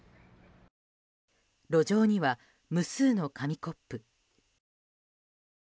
路上には無数の紙コップ。